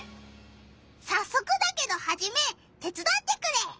さっそくだけどハジメ手つだってくれ！